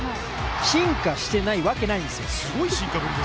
進化してないわけないんですよ。